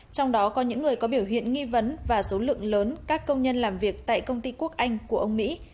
trong đó có những người có biểu hiện nghi vấn và số lượng lớn các công nhân làm việc tại công ty quốc anh của ông mỹ